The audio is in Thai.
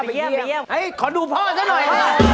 เยี่ยมขอดูพ่อซะหน่อย